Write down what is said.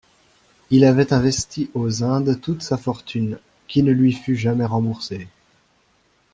Il avait investi aux Indes toute sa fortune, qui ne lui fut jamais remboursée.